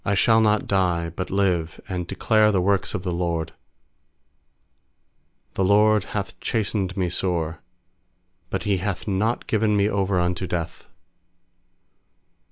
17I shall not die, but live, And declare the works of the LORD. 18The LORD hath chastened me sore; But He hath not given me over unto death.